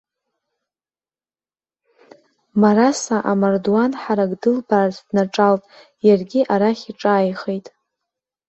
Мараса амардуан ҳарак дылбаарц днаҿалт, иаргьы арахь иҿааихеит.